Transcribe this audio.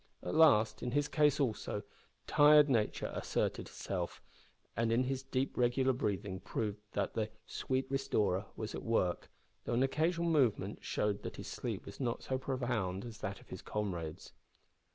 At last, in his case also, tired Nature asserted herself, and his deep regular breathing proved that the "sweet restorer" was at work, though an occasional movement showed that his sleep was not so profound as that of his comrades.